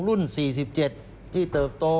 รุ่น๔๗ที่เติบโต